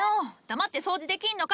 黙って掃除できんのか！